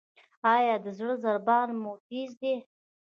ایا د زړه ضربان مو تېز دی؟